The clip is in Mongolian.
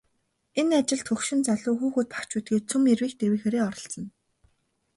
Энэ ажилд хөгшин залуу, хүүхэд багачуудгүй цөм эрвийх дэрвийхээрээ оролцоно.